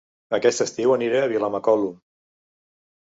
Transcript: Aquest estiu aniré a Vilamacolum